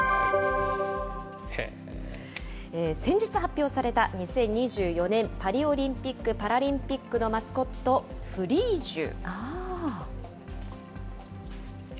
先日発表された、２０２４年パリオリンピック・パラリンピックのマスコット、フリージュ。